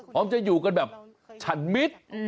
พร้อมจะอยู่กันแบบฉันมิตร